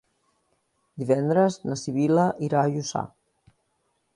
Divendres na Sibil·la irà a Lluçà.